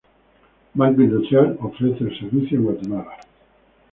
Banco Industrial ofrece el servicio en Guatemala.